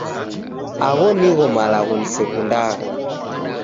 Agho nigho malagho nisekundagha